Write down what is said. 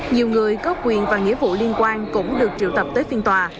nhiều người có quyền và nghĩa vụ liên quan cũng được triệu tập tới phiên tòa